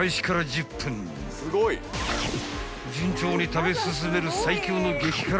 ［順調に食べ進める最強の激辛美女たち］